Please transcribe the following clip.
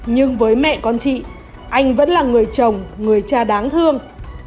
nhưng với mẹ con chị anh vẫn là người chồng người cha đáng thương